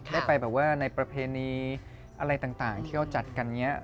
ได้ไปแบบว่าในประเพณีอะไรต่างที่เขาจัดกันอย่างนี้